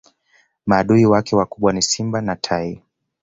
maadui wake wakubwa ni simba na tai